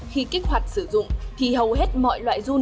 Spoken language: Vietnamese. khi kích hoạt sử dụng thì hầu hết mọi loại dung